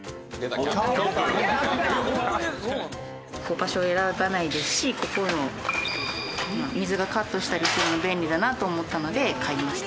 場所を選ばないですしここの水をカットしたりするの便利だなと思ったので買いました。